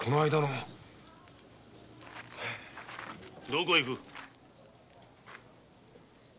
どこへ行く？